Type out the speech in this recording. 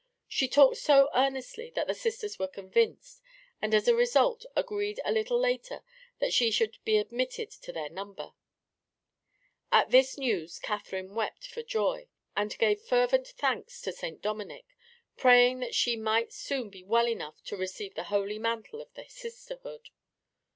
She talked so earnestly that the Sisters were convinced, and as a result agreed a little later that she should be admitted to their number. At this news Catherine wept for joy, and gave fervent thanks to St. Dominic, praying that she might soon be well enough to receive the holy mantle of the Sisterhood.